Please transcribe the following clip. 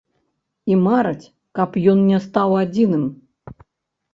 І мараць, каб ён не стаў адзіным.